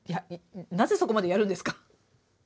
なぜそこまでやるんですか？